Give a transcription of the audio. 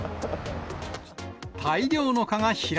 大量の蚊が飛来。